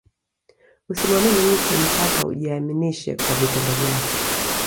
Usimuamini mtu mpaka ajiaminishe kwa vitendo vyake